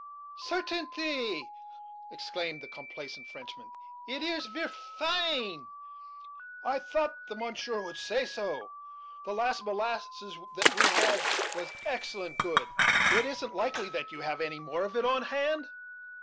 "Sairtainlee!" exclaimed the complaisant Frenchman, "it ees ver fine." "I thought the monshure would say so. The last molasses that we had was excellent good. It isn't likely that you have any more of it on hand?"